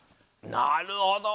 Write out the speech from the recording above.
なるほど！